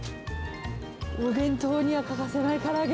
お弁当には欠かせないから揚げ